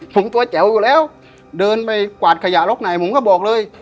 ผมตัวแจ๋วอยู่แล้วเดินไปกวาดขยะล็อกไหนผมก็บอกเลย